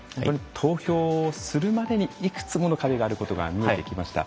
投票するまでにいくつもの壁があることが見えてきました。